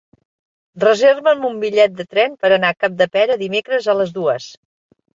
Reserva'm un bitllet de tren per anar a Capdepera dimecres a les dues.